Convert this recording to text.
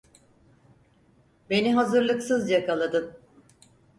Beni hazırlıksız yakaladın.